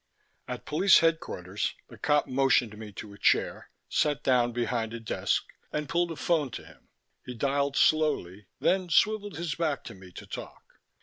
At Police Headquarters, the cop motioned me to a chair, sat down behind a desk, and pulled a phone to him. He dialed slowly, then swiveled his back to me to talk.